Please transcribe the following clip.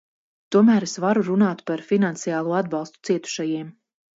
Tomēr es varu runāt par finansiālo atbalstu cietušajiem.